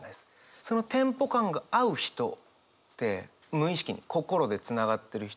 そのテンポ感が合う人って無意識に心でつながってる人。